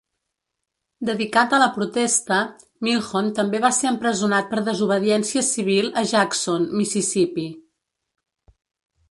Dedicat a la protesta, Milhon també va ser empresonat per desobediència civil a Jackson, Mississippi.